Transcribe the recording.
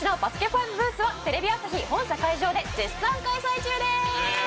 ＦＩＶＥブースはテレビ朝日本社会場で絶賛開催中でーす！